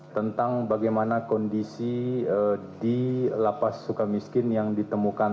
tentang bagaimana kondisi di lapas suka miskin yang ditemukan